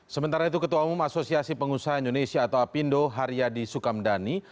sementara itu ketua umum asosiasi pengusaha indonesia atau apindo haryadi sukamdhani